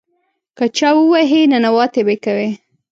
که چا ووهې، ننواتې به کوې.